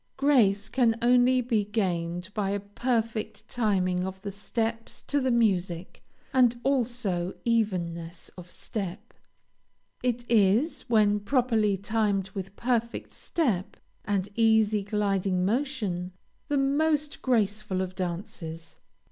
Grace can only be gained by a perfect timing of the steps to the music, and also evenness of step. It is, when properly timed with perfect step, and easy, gliding motion, the most graceful of dances.